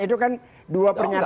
itu kan dua pernyataan